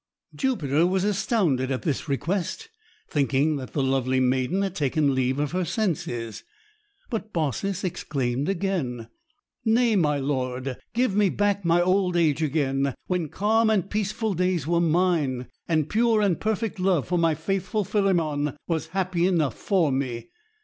Jupiter was astounded at this request, thinking that the lovely maiden had taken leave of her senses; but Baucis exclaimed again: "Nay, my lord, give me back my old age again, when calm and peaceful days were mine, and pure and perfect love for my faithful Philemon was happiness enough for me!